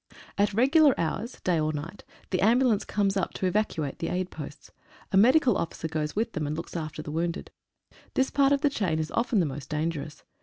At regular hours, day or night, the ambulance come up to evacuate the aid posts. A medical officer goes with them, and looks after the wounded. This part of the chain is often the most dangerous.